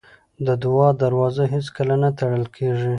د دعا دروازه هېڅکله نه تړل کېږي.